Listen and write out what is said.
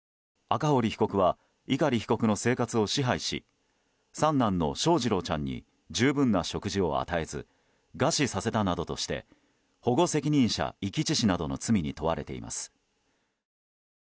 赤堀被告は碇被告の生活を支配し三男の翔士郎ちゃんに十分な食事を与えず餓死させたなどとして保護責任者遺棄致死などの罪に問われています。